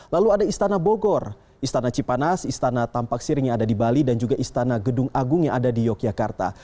lalu ada istana bogor istana cipanas istana tampak siring yang ada di bali dan juga istana gedung agung yang ada di yogyakarta